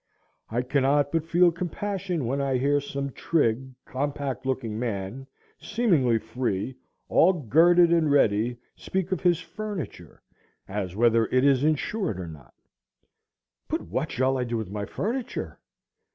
I cannot but feel compassion when I hear some trig, compact looking man, seemingly free, all girded and ready, speak of his "furniture," as whether it is insured or not. "But what shall I do with my furniture?"